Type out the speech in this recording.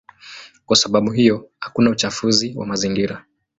Kwa sababu hiyo hakuna uchafuzi wa mazingira.